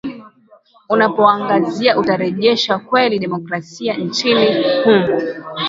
unapouangazia utarejesha kweli demokrasia nchini humo